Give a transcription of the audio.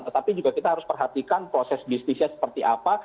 tetapi juga kita harus perhatikan proses bisnisnya seperti apa